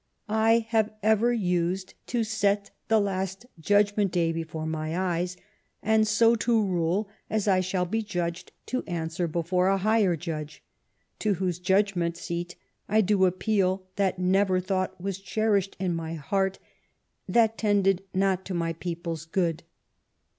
" I have ever used to set the Last Judgment Day before my eyes, and so to rule as I shall be judged to answer before a higher Judge, to whose judgment seat I do appeal that never thought was cherished in my heart that tended not to my people's good.